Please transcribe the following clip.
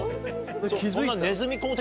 そんな。